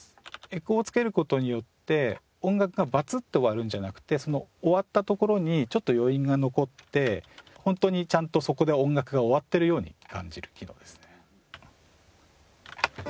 エコーをつける事によって音楽がバツッて終わるんじゃなくてその終わったところにちょっと余韻が残って本当にちゃんとそこで音楽が終わっているように感じる機能ですね。